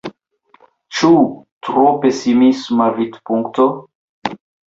Ĉu tro pesimisma vidpunkto?